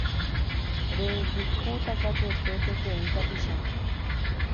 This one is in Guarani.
rejuhúta katuete peteĩ tapicha.